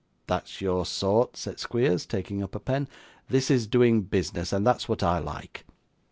'That's your sort!' said Squeers, taking up a pen; 'this is doing business, and that's what I like.